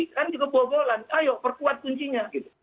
kan juga bobolan ayo perkuat kuncinya gitu